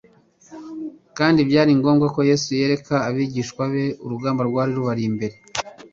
kandi byari ngombwa ko Yesu yereka abigishwa be urugamba rwari rubari imbere.